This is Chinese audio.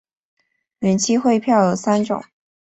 远期汇票有三种。